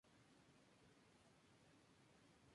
Lo que ofrece un ritmo rápido en las partidas.